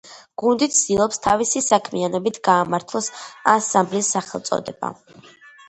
გუნდი ცდილობს თავისი საქმიანობით გაამართლოს ანსამბლის სახელწოდება.